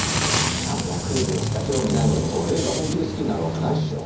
あんなクイズにしか興味ない男玲が本気で好きになるわけないっしょ。